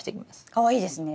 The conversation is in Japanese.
かわいいですね。